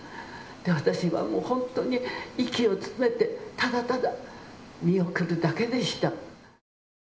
私はもう本当に息を詰めてただただ見送るだけでした。